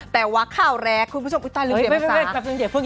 แต่ว่าข่าวแรกคุณผู้ชมอุ๊ยตายลืมเดี๋ยวมันซ้า